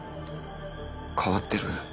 変わってる。